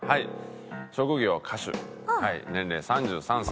「職業歌手」「年齢３３歳」